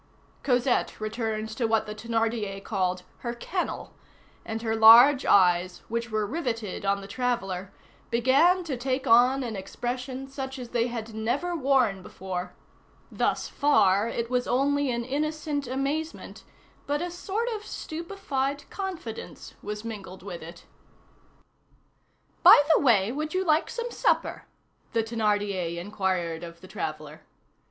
Cosette returned to what the Thénardier called "her kennel," and her large eyes, which were riveted on the traveller, began to take on an expression such as they had never worn before. Thus far it was only an innocent amazement, but a sort of stupefied confidence was mingled with it. "By the way, would you like some supper?" the Thénardier inquired of the traveller.